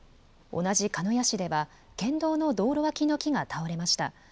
同じ鹿屋市では、県道の道路脇の木が倒れました。